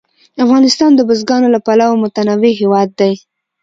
افغانستان د بزګانو له پلوه متنوع هېواد دی.